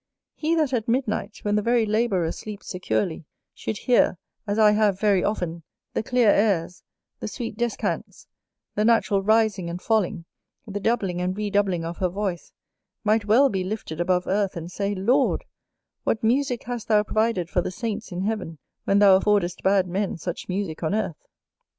He that at midnight, when the very labourer sleeps securely, should hear, as I have very often, the clear airs, the sweet descants, the natural rising and falling, the doubling and redoubling of her voice, might well be lifted above earth, and say, "Lord, what musick hast thou provided for the Saints in Heaven, when thou affordest bad men such musick on Earth!"